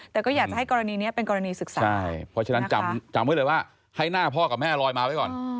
แต่ก็อยากจะให้กรณีนี้เป็นกรณีศึกษาใช่เพราะฉะนั้นจำไว้เลยว่าให้หน้าพ่อกับแม่ลอยมาไว้ก่อน